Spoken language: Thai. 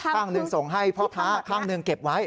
ข้างหนึ่งส่งให้พ่อค้าข้างหนึ่งเก็บไว้